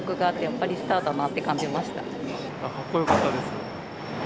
かっこよかったです。